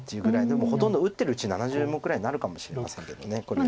でもほとんど打ってるうちに７０目ぐらいになるかもしれませんけどこれ。